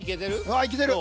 ああいけてる。